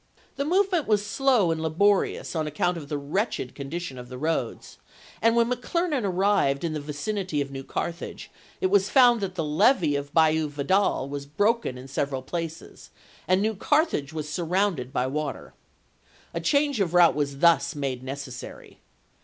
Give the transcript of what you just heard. The movement was slow and laborious on account of the wretched condition of the roads, and when McClernand arrived in the vicinity of New Carthage, it was found that the levee of Bayou Vidal was broken in several places, and New Carthage was surrounded by water. A change of route was thus made necessary.